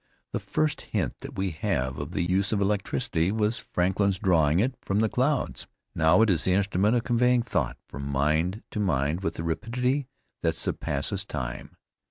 The first hint that we have of the use of electricity was Franklin's drawing it from the clouds with his kite. Now it is the instrument of conveying thought from mind to mind, with a rapidity that surpasses time.